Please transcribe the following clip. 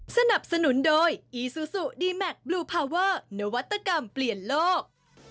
สนับสนุนโดยอีซูซูดีแมคบลูพาเวอร์นวัตกรรมเปลี่ยนโลก